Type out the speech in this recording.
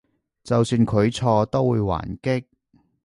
就算佢錯都會還擊？